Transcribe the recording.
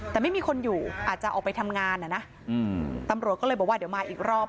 แต่ไม่มีคนอยู่อาจจะออกไปทำงานอ่ะนะตำรวจก็เลยบอกว่าเดี๋ยวมาอีกรอบ